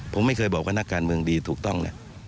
ผมไม่เคยบอกว่านักการเมืองดีถูกต้องนะ